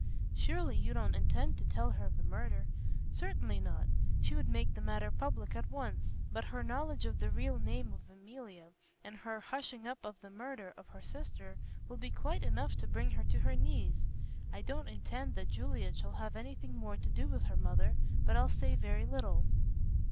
"Surely you don't intend to tell her of the murder." "Certainly not. She would make the matter public at once. But her knowledge of the real name of Emilia, and her hushing up of the murder of her sister, will be quite enough to bring her to her knees. I don't intend that Juliet shall have anything more to do with her mother. But I'll say very little."